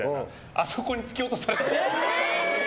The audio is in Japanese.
あそこに突き落とされた。